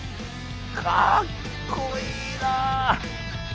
かっこいいな！